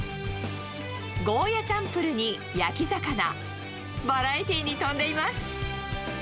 ゴーヤチャンプルーに焼き魚、バラエティーに富んでいます。